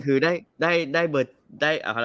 คือได้